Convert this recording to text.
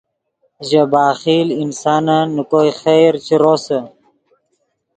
ژے بخیل انسانن نے کوئے خیر چے روسے